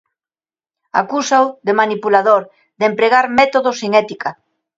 Acúsao de manipulador, de empregar métodos sen ética.